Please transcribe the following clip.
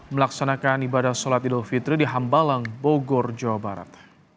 melaksanakan ibadah sholat idul fitri di hambalang bogor jawa barat